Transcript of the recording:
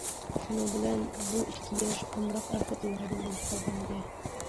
شۇنىڭ بىلەن بۇ ئىككى ياش ئامراق ئەر خوتۇنلاردىن بولۇپ قالغانىدى.